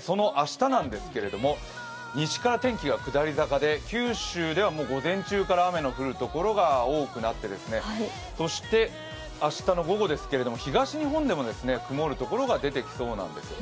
その明日なんですけれども西から天気が下り坂で九州ではもう午前中から雨の降るところが多くなって、そして明日の午後、東日本でも曇るところが出てきそうなんです。